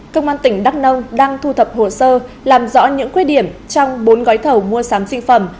công an tỉnh đắk nông đang thu thập hồ sơ làm rõ những khuyết điểm trong bốn gói thẩu mua sám sinh phẩm